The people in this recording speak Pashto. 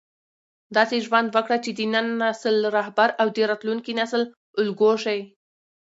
داسې ژوند وکړه چې د نن نسل رهبر او د راتلونکي نسل الګو شې.